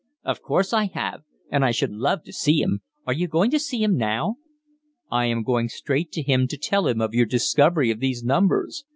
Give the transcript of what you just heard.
"Of course I have, and I should love to see him. Are you going to see him now?" "I am going straight to him to tell him of your discovery of these numbers.